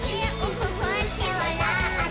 ふっふってわらって」